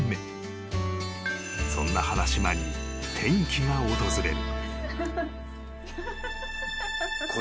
［そんな原島に転機が訪れる］